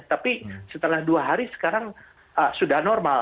tapi setelah dua hari sekarang sudah normal